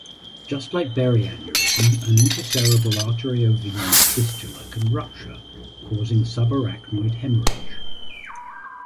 Just like berry aneurysm, an intracerebral arteriovenous fistula can rupture causing subarachnoid hemorrhage.